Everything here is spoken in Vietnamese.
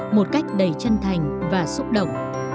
một cách đầy chân thành và xúc động